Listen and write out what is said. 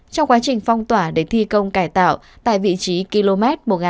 trong quá trình phong tỏa để thi công cải tạo tại vị trí km một nghìn một trăm sáu mươi tám bảy trăm linh